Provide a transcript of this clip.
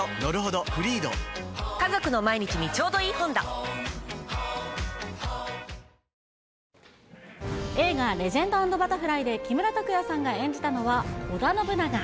新「アタックＺＥＲＯ」映画、レジェンド＆バタフライで、木村拓哉さんが演じたのは織田信長。